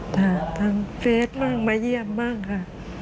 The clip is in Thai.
ทางเฟ็คมาเยี่ยมมากค่ะ